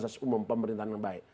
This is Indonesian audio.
asas umum pemerintahan yang baik